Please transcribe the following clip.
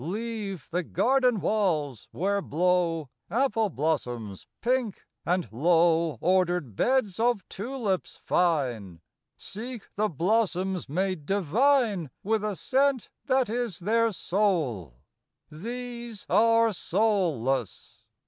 Leave the garden walls, where blow Apple blossoms pink, and low Ordered beds of tulips fine. Seek the blossoms made divine With a scent that is their soul. These are soulless.